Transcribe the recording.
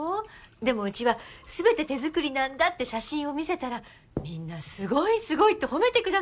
でもうちは全て手作りなんだって写真を見せたらみんなすごいすごいって褒めてくださって。